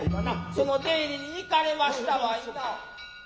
その出入りに行かれましたわいなァ。